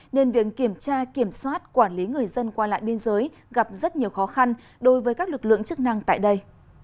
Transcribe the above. nên việc kiểm tra kiểm soát quản lý người dân qua lại biên giới gặp rất nhiều khó khăn đối với các lực lượng chức năng tại đây